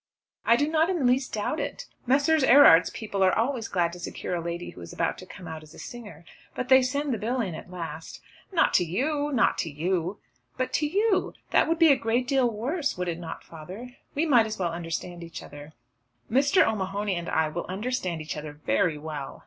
"I do not in the least doubt it. Messrs. Erard's people are always glad to secure a lady who is about to come out as a singer. But they send the bill in at last." "Not to you; not to you." "But to you. That would be a great deal worse, would it not, father? We might as well understand each other." "Mr. O'Mahony and I will understand each other very well."